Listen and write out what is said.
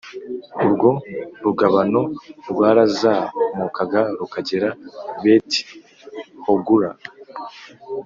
Urwo rugabano rwarazamukaga rukagera beti hogula